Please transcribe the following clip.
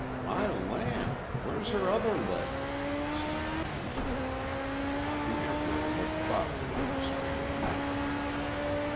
"My land! where's her other leg?" Sinth mused. The Emperor looked thoughtfully at the strange woman.